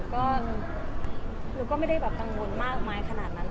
หนูก็ไม่ได้ตังค์มนต์มากมายขนาดนั้นค่ะ